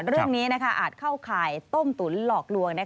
เรื่องนี้อาจเข้าข่ายต้มตุ๋นหลอกลวง